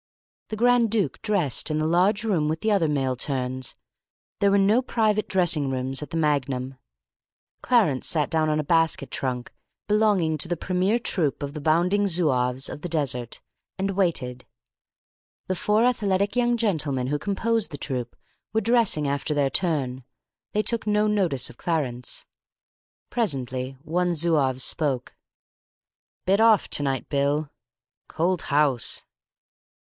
The Grand Duke dressed in the large room with the other male turns. There were no private dressing rooms at the Magnum. Clarence sat down on a basket trunk belonging to the Premier Troupe of Bounding Zouaves of the Desert, and waited. The four athletic young gentlemen who composed the troupe were dressing after their turn. They took no notice of Clarence. Presently one Zouave spoke. "Bit off to night, Bill. Cold house."